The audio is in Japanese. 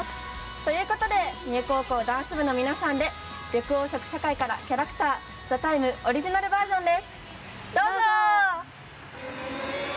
ということで三重高校ダンス部の皆さんで緑黄色野菜から「キャラクター」「ＴＨＥＴＩＭＥ，」オリジナルバージョンです。